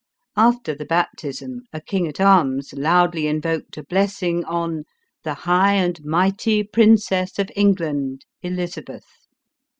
After the baptism, a king at arms loudly in voked a. blessing on " the high and mighty princess of England, Elizabeth."